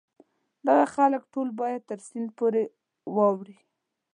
دغه خلک ټول باید تر سیند پورې واوړي.